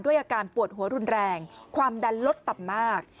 อาการปวดหัวรุนแรงความดันลดต่ำมาก